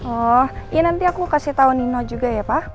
oh iya nanti aku kasih tau nino juga ya pak